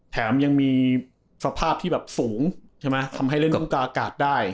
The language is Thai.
แถมยังมีสภาพที่แบบสูงใช่ไหมทำให้เล่นลูกกาอากาศได้